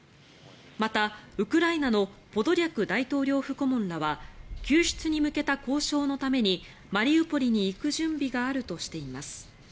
また、ウクライナのポドリャク大統領府顧問らは救出に向けた交渉のためにマリウポリに行く準備があるとしています。